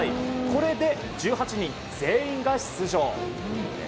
これで１８人全員が出場。